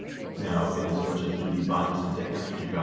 Now, inasmuch as duty binds him to answer to God vol.